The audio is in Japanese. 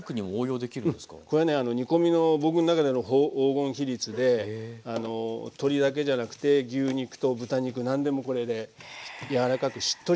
これね煮込みの僕の中での黄金比率で鶏だけじゃなくて牛肉と豚肉何でもこれで柔らかくしっとりと煮崩れしにくいんですね。